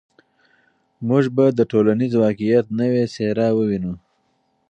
موږ به د ټولنیز واقعیت نوې څېره ووینو.